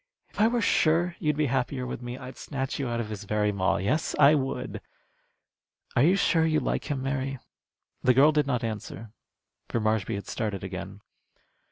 If I were sure you'd be happier with me, I'd snatch you out of his very maw. Yes, I would. Are you sure you like him, Mary?" The girl did not answer, for Marshby had started again.